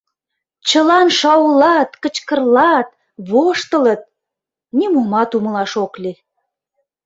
Чылан шаулат, кычкырлат, воштылыт — нимомат умылаш ок лий.